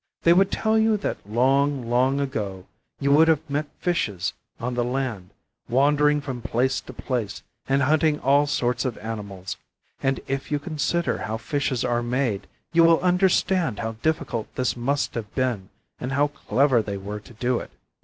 They would tell you that long, long ago you would have met fishes on the land, wandering from place to place, and hunting all sorts of animals, and if you consider how fishes are made, you will understand how difficult this must have been and how clever they were to do it.